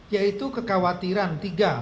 yaitu kekhawatiran tiga